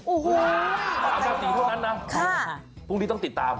โอ้โห๓ราศีเท่านั้นนะพรุ่งนี้ต้องติดตาม